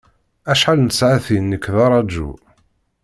Acḥal n tsaɛtin nekk d araǧu.